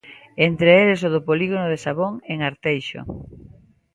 Entre eles o do polígono de Sabón, en Arteixo.